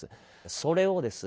それをですね